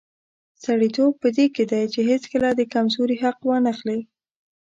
سړیتوب په دې کې دی چې هیڅکله د کمزوري حق وانخلي.